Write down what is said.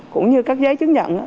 cũng như các giấy chứng nghiệm